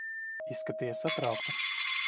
Izskaties satraukta.